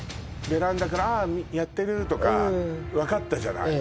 ベランダから「ああやってる」とか分かったじゃない